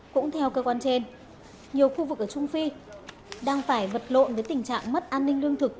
cũng theo cơ quan trên nhiều khu vực ở trung phi đang phải vật lộn với tình trạng mất an ninh lương thực